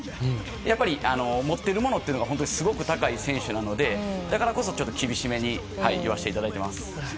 やっぱり持ってるものがすごく高い選手なのでだからこそちょっと厳しめに言わさせていただいています。